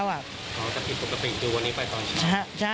อาจจะผิดปกติดูวันนี้ไปตอนเช้า